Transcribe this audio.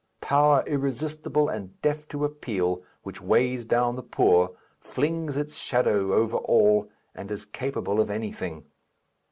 power, irresistible and deaf to appeal, which weighs down the poor, flings its shadow over all, and is capable of anything.